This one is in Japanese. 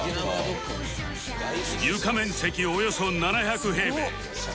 床面積およそ７００平米